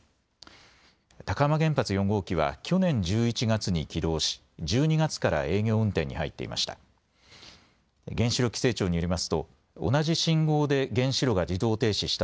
高浜原発４号機は去年１１月に起動し１２月から営業運転に入っていました。